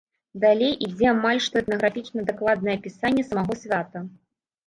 Далей ідзе амаль што этнаграфічна-дакладнае апісанне самога свята.